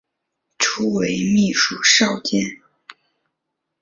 初为秘书少监。